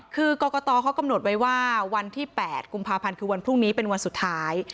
คือกรกตเขากำหนดไว้ว่าวันที่๘กุมภาพันธ์คือวันพรุ่งนี้เป็นวันสุดท้าย